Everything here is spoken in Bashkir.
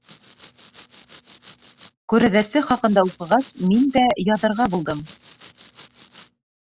Күрәҙәсе хаҡында уҡығас, мин дә яҙырға булдым.